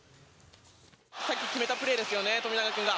さっき決めたプレーですよね、富永君が。